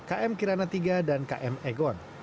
km kirana iii dan km egon